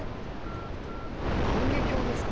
万華鏡ですか！